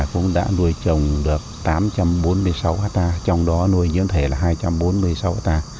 cũng đã nuôi trồng được tám trăm bốn mươi sáu hectare trong đó nuôi dưỡng thể là hai trăm bốn mươi sáu ha